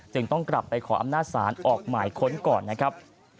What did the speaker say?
ต้องกลับไปขออำนาจศาลออกหมายค้นก่อนนะครับ